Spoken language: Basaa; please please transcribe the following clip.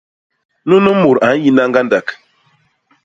Nunu mut a nyina ñgandak.